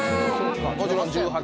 もちろん１８